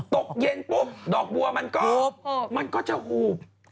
ตกเย็นปุ๊บดอกบัวมันก็มันก็จะหูบ